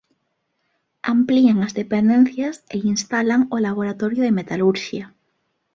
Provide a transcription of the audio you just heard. Amplían as dependencias e instalan o Laboratorio de Metalurxia.